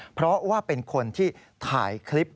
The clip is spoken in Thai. เพราะว่าเป็นคนที่ถ่ายคลิป